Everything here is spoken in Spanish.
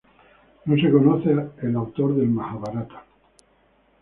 No se conoce el autor del "Majabhárata".